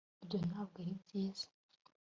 ibyo ntabwo ari byiza